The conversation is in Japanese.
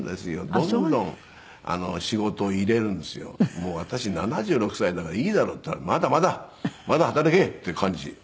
もう私７６歳だからいいだろって言ったら「まだまだ。まだ働け」っていう感じ。